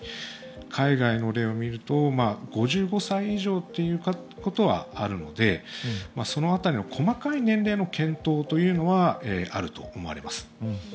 海外の例を見ると５５歳以上ということはあるのでその辺りの細かい年齢の検討はあると思われます。